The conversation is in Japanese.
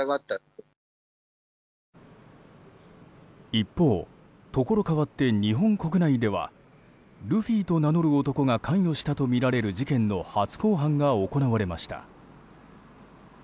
一方、ところ変わって日本国内ではルフィと名乗る男が関与したとみられる事件の初公判が行われました。